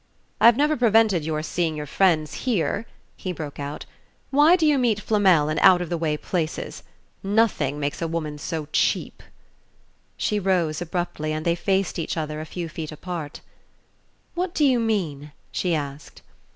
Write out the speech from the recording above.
"I've never prevented your seeing your friends here," he broke out. "Why do you meet Flamel in out of the way places? Nothing makes a woman so cheap " She rose abruptly and they faced each other a few feet apart. "What do you mean?" she asked.